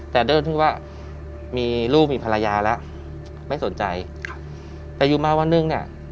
แต่เริ่มที่ว่ามีลูกมีภรรยาแล้วไม่สนใจครับแต่อยู่มาวันหนึ่งเนี่ย